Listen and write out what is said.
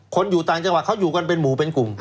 คนอยู่ต่างจังหวัดเขาอยู่กันเป็นหมู่เป็นกลุ่ม